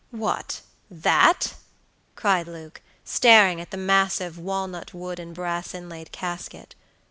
"What, that?" cried Luke, staring at the massive walnut wood and brass inlaid casket.